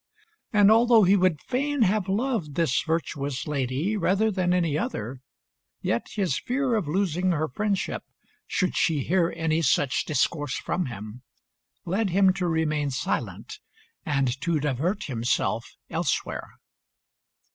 And although he would fain have loved this virtuous lady rather than any other, yet his fear of losing her friendship should she hear any such discourse from him, led him to remain silent and to divert himself elsewhere.